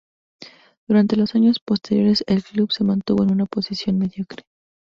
Durante los años posteriores el club se mantuvo en una posición mediocre.